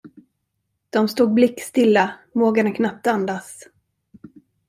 De stod blick stilla, vågade knappt andas.